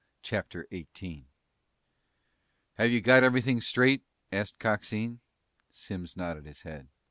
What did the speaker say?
CHAPTER 18 "Have you got everything straight?" asked Coxine. Simms nodded his head.